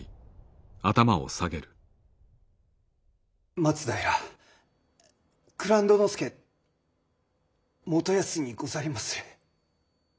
松平蔵人佐元康にござりまする。